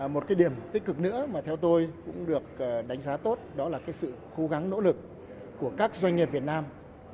một cái điểm tích cực nữa mà theo tôi cũng được đánh giá tốt đó là cái sự cố gắng nỗ lực của các doanh nghiệp việt nam